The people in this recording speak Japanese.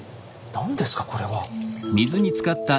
何ですかこれは。